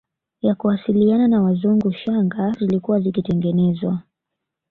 ya kuwasiliana na Wazungu shanga zilikuwa zikitengenezwa